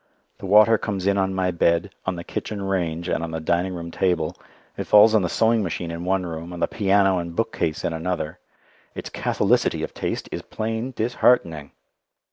The water comes in on my bed, on the kitchen range, and on the dining room table. It falls on the sewing machine in one room, on the piano and bookcase in another. Its catholicity of taste is plain disheartening!